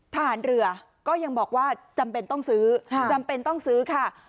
ทหารเรือก็ยังบอกว่าจำเป็นต้องซื้อจำเป็นต้องซื้อค่ะ